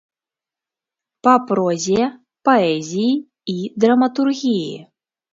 Па прозе, паэзіі і драматургіі.